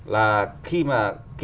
là khi mà